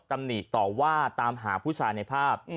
ตำหนิต่อว่าตามหาผู้ชายในภาพ